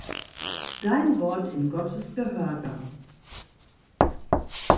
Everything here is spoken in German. Dein Wort in Gottes Gehörgang.